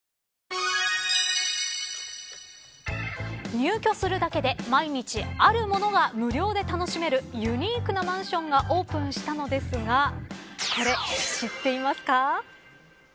入居するだけで毎日あるものが無料で楽しめるユニークなマンションがオープンしたのですがこれ、知っていますか。